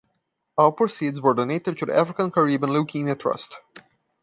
All proceeds were donated to the African Caribbean Leukaemia Trust.